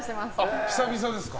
久々ですか？